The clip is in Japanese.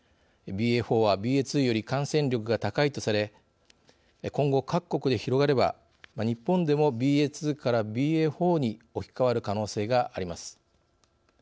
ＢＡ．４はＢＡ．２より感染力が高いとされ今後各国で広がれば日本でもＢＡ．２からＢＡ．４に置き換わる可能性があります。